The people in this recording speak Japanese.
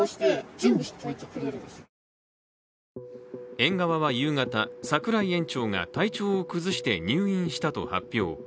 園側は夕方、櫻井園長が体調を崩して入院したと発表。